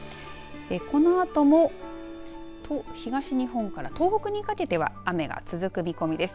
このあとも東日本から東北にかけては雨が続く見込みです。